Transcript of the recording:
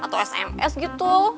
atau sms gitu